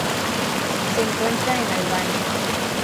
Se encuentra en Albania.